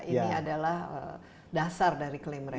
ini adalah dasar dari klaim mereka